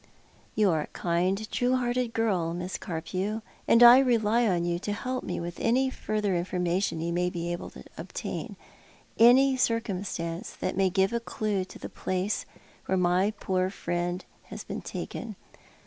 "You are a kind, true hearted girl, Miss (Jarpew, and I rely on you to help mo with any further iuforma tion you may be able to obtain — any circumstance that may give a clue to the place where my jioor friend has been taken.